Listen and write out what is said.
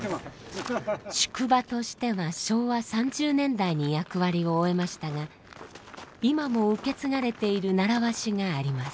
宿場としては昭和３０年代に役割を終えましたが今も受け継がれている習わしがあります。